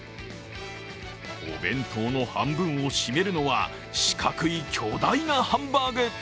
お弁当の半分を占めるのは四角い巨大なハンバーグ。